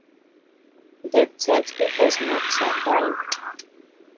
The text has not survived.